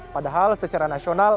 padahal secara nasional